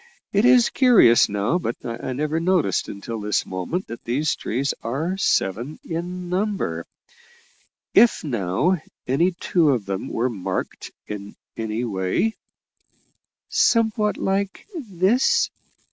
It is curious now, but I never noticed until this moment that these trees are seven in number. If, now, any two of them were marked in any way " "Somewhat like this?"